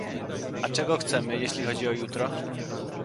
A czego chcemy, jesi chodzi o jutro?